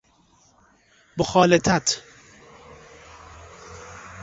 مخالطت